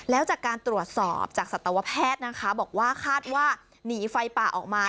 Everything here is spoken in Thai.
แล้วจากการตรวจสอบจากสัตวแพทย์นะคะบอกว่าคาดว่าหนีไฟป่าออกมา